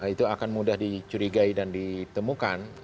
itu akan mudah dicurigai dan ditemukan